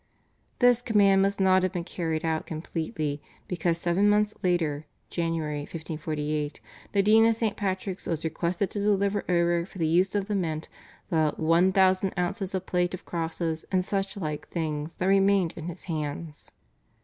This command must not have been carried out completely, because seven months later (Jan. 1548) the Dean of St. Patrick's was requested to deliver over for the use of the mint the "one thousand ounces of plate of crosses and such like things" that remained in his hands.